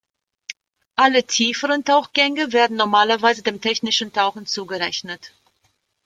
Alle tieferen Tauchgänge, werden normalerweise dem technischen Tauchen zugerechnet.